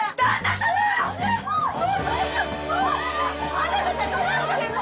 あなたたち何してるの！